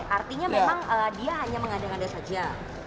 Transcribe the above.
artinya memang dia hanya mengadang adang saja